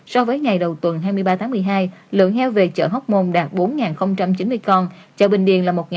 so với ngày đầu tuần hai mươi ba tháng một mươi hai lượng heo về chợ hóc môn đạt bốn chín mươi con chợ bình điền là một sáu trăm sáu mươi con